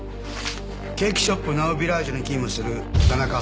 ケーキショップ・ナウビラージュに勤務する田中沙織です。